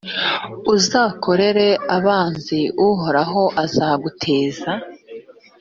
uzakorera abanzi uhoraho azaguteza,